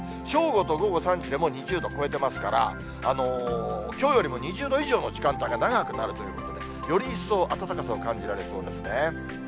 正午と午後３時でももう２０度を超えてますから、きょうよりも２０度以上の時間帯が長くなるということで、より一層、暖かさを感じられそうですね。